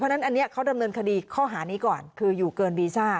เพราะฉะนั้นอันนี้เขาดำเนินคดีข้อหานี้ก่อนคืออยู่เกินวีซ่า